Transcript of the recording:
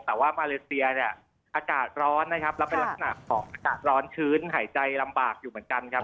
แต่ว่ามาเลเซียเนี่ยอากาศร้อนนะครับแล้วเป็นลักษณะของอากาศร้อนชื้นหายใจลำบากอยู่เหมือนกันครับ